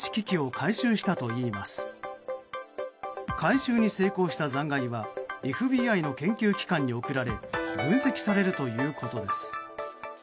回収に成功した残骸はＦＢＩの研究機関に送られ分析されるということです。